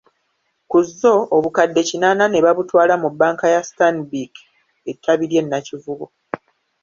Ku zzo, obukadde kinaana ne babutwala mu banka ya Stanbic ettabi ly'e Nakivubo.